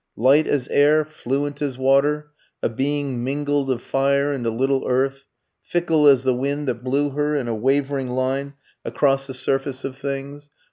"Light as air, fluent as water, a being mingled of fire and a little earth; fickle as the wind that blew her in a wavering line across the surface of things."